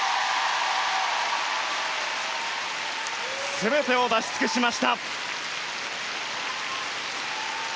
全てを出し尽くしました。